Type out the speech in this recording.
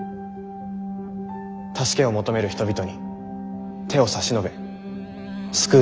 助けを求める人々に手を差し伸べ救う政治。